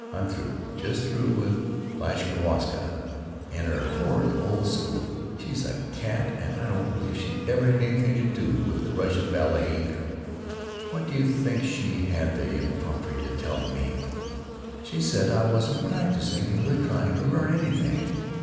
I'm through, just through with Vashkowska and her horrid old school. She's a cat and I don't believe she ever had anything to do with the Russian ballet, either. What do you think she had the effrontery to tell me? She said that I wasn't practising and really trying to learn anything.